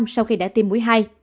sau khi đã tiêm mũi ba